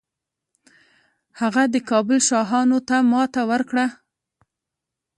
هغه د کابل شاهانو ته ماتې ورکړه